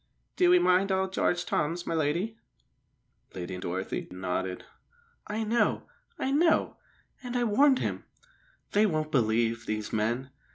"Do 'ee mind old Jarge Toms, my lady?" Lady Dorothy nodded. "I know, I know! And I warned him! They won't believe, these men!